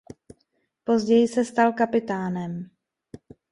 Později se stal kapitánem.